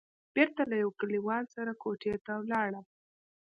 بېرته له يوه کليوال سره کوټې ته ولاړم.